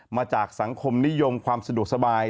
มาจากสังคมนิยมความสะดวกสบาย